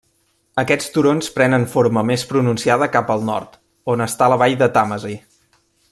Aquests turons prenen forma més pronunciada cap al nord on està la vall de Tàmesi.